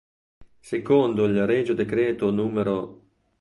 Secondo il regio decreto n.